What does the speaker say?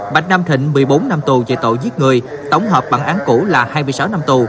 bạch nam thịnh một mươi bốn năm tù về tội giết người tổng hợp bản án cũ là hai mươi sáu năm tù